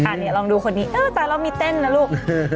อันนี้ลองดูคนนี้เออตายแล้วมีเต้นนะลูก